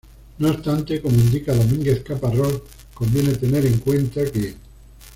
No obstante, como indica Domínguez Caparrós, conviene tener en cuenta que